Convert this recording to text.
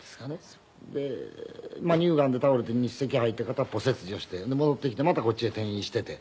で乳がんで倒れて日赤入って片っ方切除して戻ってきてまたこっちへ転移していて。